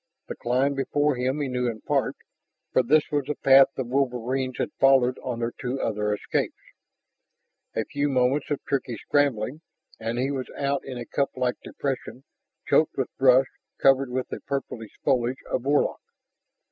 The climb before him he knew in part, for this was the path the wolverines had followed on their two other escapes. A few moments of tricky scrambling and he was out in a cuplike depression choked with brush covered with the purplish foliage of Warlock.